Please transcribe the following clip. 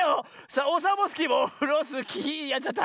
オサボスキーもオフロスキーやっちゃった。